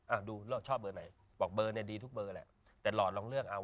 อ่ะดูเลิศชอบเบอร์ไหนเบอร์ดีทุกเบอร์แหละแต่หลอดลองเลือกเอาว่า